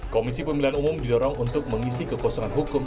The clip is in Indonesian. komisi pemilihan umum didorong untuk mengisi kekosongan hukum